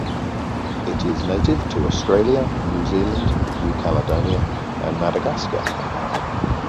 It is native to Australia, New Zealand, New Caledonia and Madagascar.